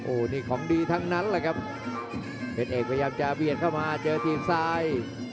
โอ้โหนี่ของดีทั้งนั้นแหละครับเพชรเอกพยายามจะเบียดเข้ามาเจอทีมซ้าย